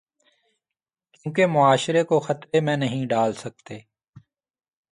کیونکہ معاشرے کو خطرے میں نہیں ڈال سکتے۔